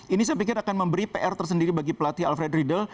ini saya pikir akan memberi pr tersendiri bagi pelatih alfred riedel